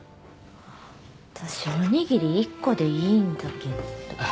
私おにぎり１個でいいんだけど。